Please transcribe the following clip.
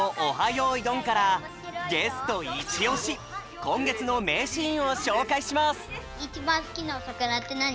よいどん」からゲストいちおしこんげつのめいシーンをしょうかいします